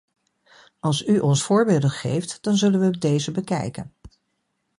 Als u ons voorbeelden geeft, dan zullen we deze bekijken.